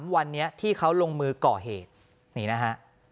๓วันนี้ที่เขาลงมือก่อเหตุนี่นะฮะ